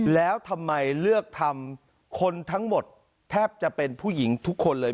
แล้วทำไมเลือกทำคนทั้งหมดแทบจะเป็นผู้หญิงทุกคนเลย